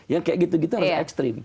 yang kayak gitu gitu harus ekstrim